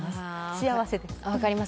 幸せです。